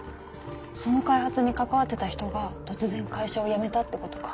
その開発に関わってた人が突然会社を辞めたってことか。